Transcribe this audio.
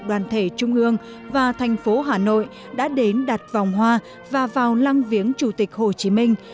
đoàn thể trung ương và thành phố hà nội đã đến đặt vòng hoa và vào lăng viếng chủ tịch hồ chí minh